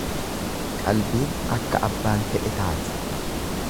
Qalbiin akka abbaan fedhe taati.